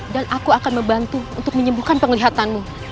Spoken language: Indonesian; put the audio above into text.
dan aku akan membantu untuk menyembuhkan penglihatanmu